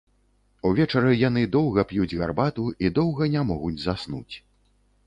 Увечары яны доўга п'юць гарбату і доўга не могуць заснуць.